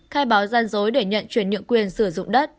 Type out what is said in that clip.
khai báo gian dối để nhận chuyển nhượng quyền sử dụng đất